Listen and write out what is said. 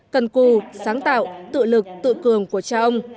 cần cù sáng tạo tự lực tự cường của cha ông